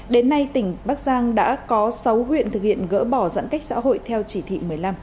đến nay tỉnh bắc giang đã có sáu huyện thực hiện gỡ bỏ giãn cách xã hội theo chỉ thị một mươi năm